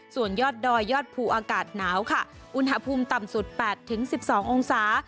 ส่วนยอดดอยยอดภูอากาศหนาวค่ะอุณหภูมิต่ำสุด๘๑๒องศา